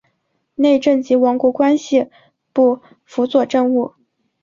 内政及王国关系部辅佐政务。